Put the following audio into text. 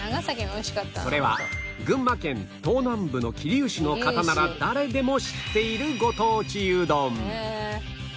それは群馬県東南部の桐生市の方なら誰でも知っているご当地うどん